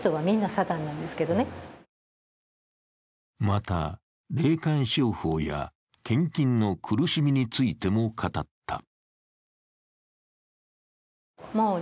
また、霊感商法や献金の苦しみについても語った。